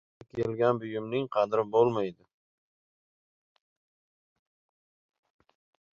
• Arzonga kelgan buyumning qadri bo‘lmaydi.